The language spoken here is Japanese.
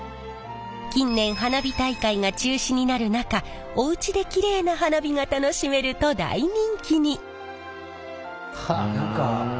近年花火大会が中止になる中おうちできれいな花火が楽しめると大人気に。